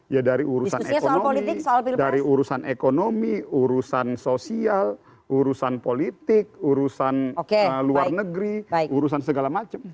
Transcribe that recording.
ya dari urusan ekonomi urusan sosial urusan politik urusan luar negeri urusan segala macam